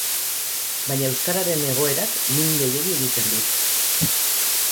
Baina euskararen egoerak min gehiegi egiten dit.